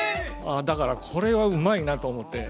だからこれはうまいなと思って。